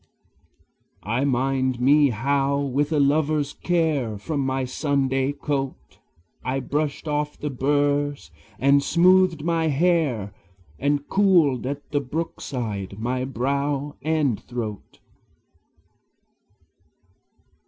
I mind me how with a lover's care From my Sunday coat I brushed off the burrs, and smoothed my hair, And cooled at the brookside my brow and throat.